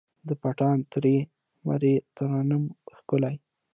د پتڼ ترۍ، مرۍ ترنم ښکلی